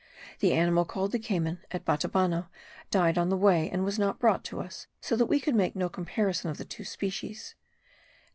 The animal called the cayman, at Batabano, died on the way, and was not brought to us, so that we could make no comparison of the two species.